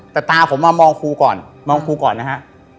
แต่ตาผมมามอครูก่อนครูครับ